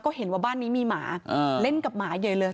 ก็เห็นว่าบ้านนี้มีหมาเล่นกับหมาใหญ่เลย